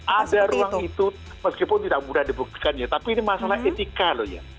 ada ruang itu meskipun tidak mudah dibuktikan ya tapi ini masalah etika loh ya